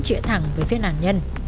trịa thẳng với phía nạn nhân